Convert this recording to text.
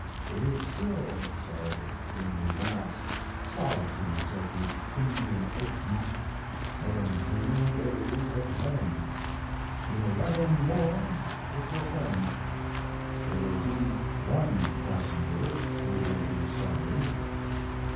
It is still so in the vast solitudes of the Indian Ocean 17 days of heaven. In 11 more it will end. There will be one passenger who will be sorry.